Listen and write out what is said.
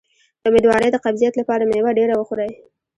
د امیدوارۍ د قبضیت لپاره میوه ډیره وخورئ